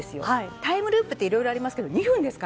タイムループっていろいろありますけど２分です。